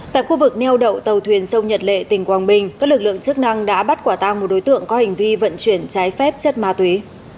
tại khu vực neo đậu tàu thuyền sông nhật lệ tỉnh quảng bình các lực lượng chức năng đã bắt quả tang một đối tượng có hành vi vận chuyển trái phép chất ma túy